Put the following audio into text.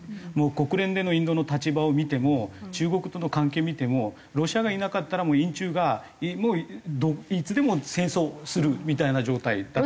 国連でのインドの立場を見ても中国との関係見てもロシアがいなかったらもう印中がもういつでも戦争するみたいな状態だったと。